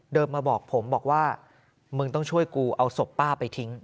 มาบอกผมบอกว่ามึงต้องช่วยกูเอาศพป้าไปทิ้ง